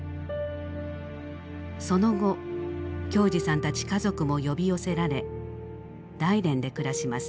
その後京二さんたち家族も呼び寄せられ大連で暮らします。